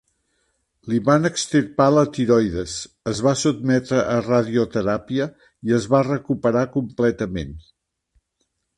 Li van extirpar la tiroides, es va sotmetre a radioteràpia i es va recuperar completament.